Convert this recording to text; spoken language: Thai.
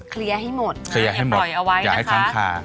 เคลียร์ให้หมดอย่าให้ข้างคา